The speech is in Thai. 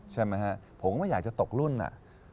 ผมก็ไม่อยากจะตกรุ่นน่ะ